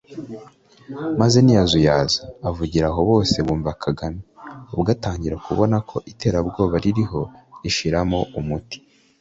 maze ntiyazuyaza avugira aho bose bumva na Kagame ubwe atangira kubona ko iterabwoba ririho rishiramwo umuti